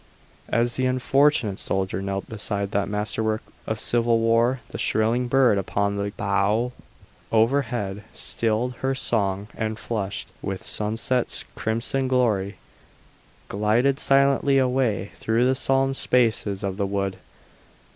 As the unfortunate soldier knelt beside that masterwork of civil war the shrilling bird upon the bough overhead stilled her song and, flushed with sunset's crimson glory, glided silently away through the solemn spaces of the wood.